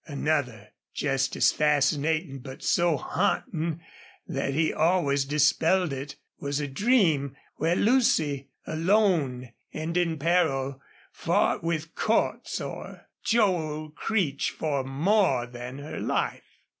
Another, just as fascinating, but so haunting that he always dispelled it, was a dream where Lucy, alone and in peril, fought with Cordts or Joel Creech for more than her life.